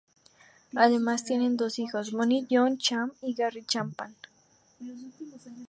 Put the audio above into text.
Además tienen dos hijos Bonnie Joanne Chapman y Garry Chapman.